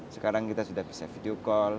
sekarang kita sudah bisa video call